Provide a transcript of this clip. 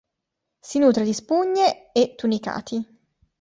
Si nutre di spugne e tunicati.